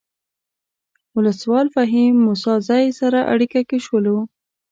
ولسوال فهیم موسی زی سره اړیکه کې شولو.